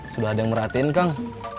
sudah ada yang merhatiin kang